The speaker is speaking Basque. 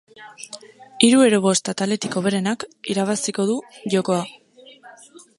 Hiru edo bost ataletik hoberenak irabaziko du jokoa.